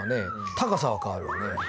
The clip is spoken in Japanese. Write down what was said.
高さは変わるわね